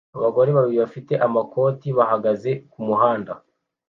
Abagore babiri bafite amakoti bahagaze kumuhanda